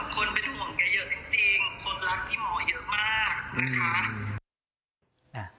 คนเป็นห่วงแกเยอะจริงคนรักพี่หมอเยอะมากนะคะ